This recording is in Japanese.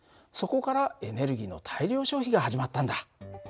そこからエネルギーの大量消費が始まったんだ。